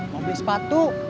mau beli sepatu